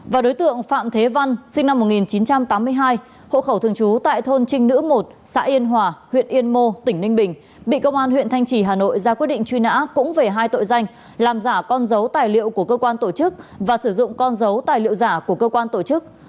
và đối tượng phạm thế văn sinh năm một nghìn chín trăm tám mươi hai hộ khẩu thường trú tại thôn trinh nữ một xã yên hòa huyện yên mô tỉnh ninh bình bị công an huyện thanh trì hà nội ra quyết định truy nã cũng về hai tội danh làm giả con dấu tài liệu của cơ quan tổ chức và sử dụng con dấu tài liệu giả của cơ quan tổ chức